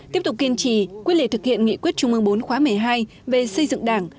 tiếp tục kiên trì quyết liệt thực hiện nghị quyết trung ương bốn khóa một mươi hai về xây dựng đảng